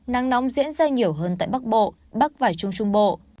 nắng nóng diễn ra nhiều hơn tại bắc bộ bắc và trung trung bộ